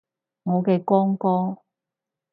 我嘅光哥